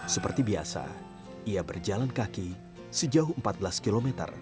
seperti biasa ia berjalan kaki sejauh empat belas km